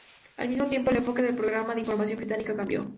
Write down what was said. Al mismo tiempo, el enfoque del programa de formación británica cambió.